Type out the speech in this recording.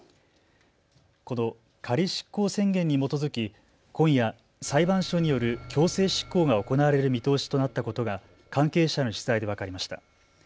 この仮執行宣言に基づき今夜、裁判所による強制執行が行われる見通しとなったことが関係者への取材で分かりました。